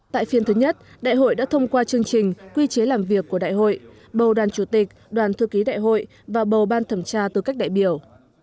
tại phiên thứ nhất đại hội đã thông qua chương trình quy chế làm việc của đại hội bầu đoàn chủ tịch đoàn thư ký đại hội và bầu ban thẩm tra tư cách đại biểu